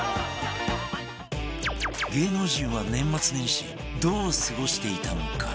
芸能人は年末年始どう過ごしていたのか？